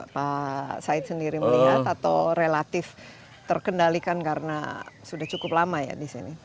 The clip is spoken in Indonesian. pak said sendiri melihat atau relatif terkendalikan karena sudah cukup lama ya di sini